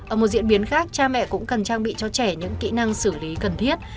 ở một diễn biến khác cha mẹ cũng cần trang bị cho trẻ những kỹ năng xử lý cần thiết